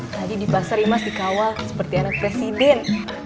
tadi di pasar imas dikawal seperti anak presiden